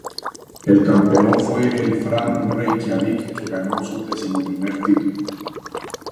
El campeón fue el Fram Reykjavík, que ganó su decimoprimer título.